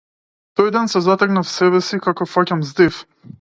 Тој ден се затекнав себе си како фаќам здив.